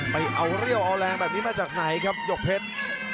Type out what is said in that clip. ไปเอาเรี่ยวเอาแรงแบบนี้มาจากไหนครับหยกเพชร